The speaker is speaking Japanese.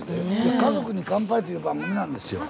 「家族に乾杯」という番組なんですよ。